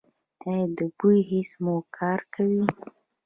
ایا د بوی حس مو کار کوي؟